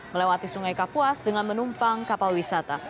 melewati sungai kapuas dengan menumpang kapal wisata